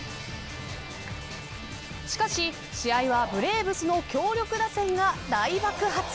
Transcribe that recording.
しかし、試合はブレーブスの強力打線が大爆発。